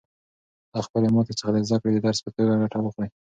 له خپلې ماتې څخه د زده کړې د درس په توګه ګټه واخلئ.